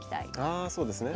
あそうですね。